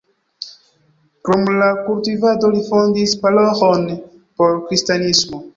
Krom la kultivado li fondis paroĥon por kristanismo.